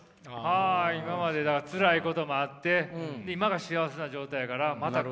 あ今までつらいこともあって今が幸せな状態やからまた。